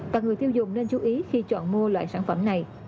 và người tiêu dùng nên chú ý khi chọn mua loại sản phẩm này